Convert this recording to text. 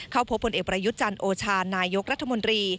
เข้าพบผลเอกประยุทธ์จันทร์โอชานายกรัฐมนตรี